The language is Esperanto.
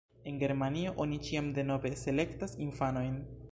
En Germanio oni ĉiam denove selektas infanojn.